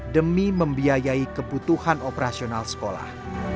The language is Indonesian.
demi membiayai kebutuhan operasional sekolah